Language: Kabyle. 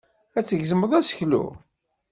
Ad tgezmeḍ aseklu.